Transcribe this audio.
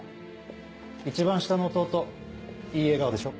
一番下の弟いい笑顔でしょ？